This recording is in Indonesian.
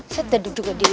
saya tadu juga diri di bilik